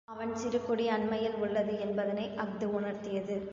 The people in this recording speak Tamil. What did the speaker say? அவன் சிறுகுடி அண்மையில் உள்ளது என்பதனை அஃது உணர்த்தியது.